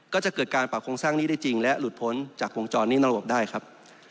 ก็จะเกิดการปรับโครงสร้างหนี้ได้จริงและหลุดพ้นจากวงจรหนี้นอกระบบได้ครับ